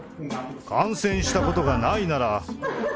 感染したことがないなら。